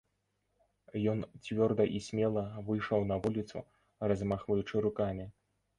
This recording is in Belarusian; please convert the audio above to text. Ён цвёрда і смела выйшаў на вуліцу, размахваючы рукамі.